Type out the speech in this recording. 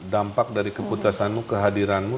dampak dari keputusanmu kehadiranmu